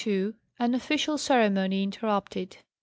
AN OFFICIAL CEREMONY INTERRUPTED.